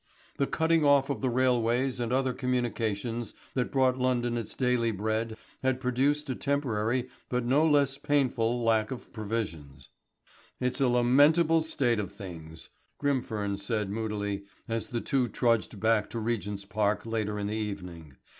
The cutting off of the railways and other communications that brought London its daily bread had produced a temporary, but no less painful lack of provisions. "It's a lamentable state of things," Grimfern said moodily as the two trudged back to Regent's Park later in the evening.